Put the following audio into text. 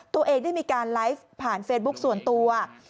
ตัวเองได้มีการไลฟ์ผ่านเฟซบุ๊คส่วนตัว